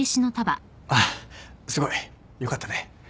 あっすごい。よかったね。